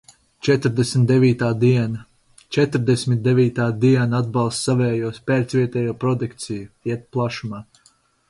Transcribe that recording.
Četrdesmit devītā diena. Četrdesmit devītā diena Atbalsti savējos, pērc vietējo produkciju - iet plašumā.